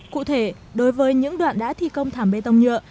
cụ thể đối với những đoạn đã thi công thảm bê tông nhựa